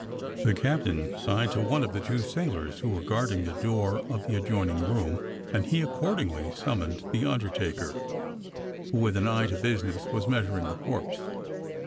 The captain signed to one of the two sailors who were guarding the door of the adjoining room, and he accordingly summoned the undertaker, who with an eye to business was measuring the corpse.